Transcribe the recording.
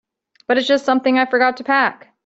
But it's just something I forgot to pack.